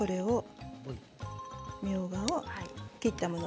みょうがを切ったもの